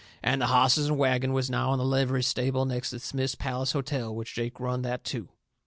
And the hosses and wagon was now in the livery stable next to Smith's Palace Hotel, which Jake run that too.